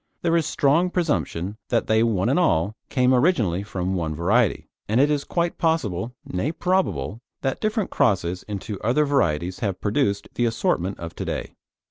There is strong presumption that they one and all came originally from one variety, and it is quite possible, nay probable, that different crosses into other varieties have produced the assortment of to day.